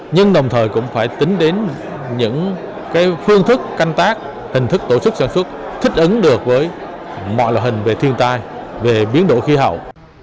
nhưng đồng thời cũng phải tính đến những phương thức canh tác hình thức tổ chức sản xuất thích ứng được với mọi loại hình về thiên tai về biến đổi khí hậu